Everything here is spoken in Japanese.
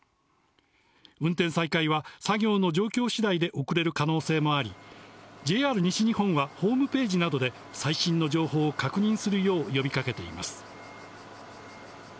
運転再開は作業の状況次第で遅れる可能性もあり、ＪＲ西日本はホームページなどで最新の情報を確認するよう呼びかけています。